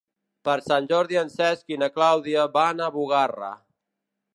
Per Sant Jordi en Cesc i na Clàudia van a Bugarra.